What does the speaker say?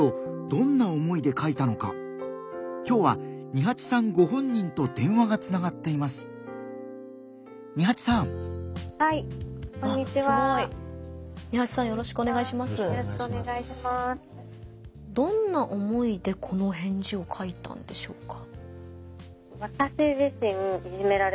どんな思いでこの返事を書いたんでしょうか？